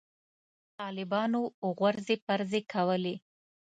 طالبانو غورځې پرځې کولې.